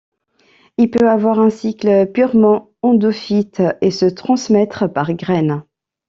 Il peut avoir un cycle purement endophyte et se transmettre par graine.